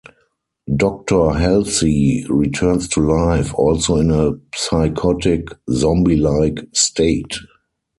Doctor Halsey returns to life, also in a psychotic, zombie-like state.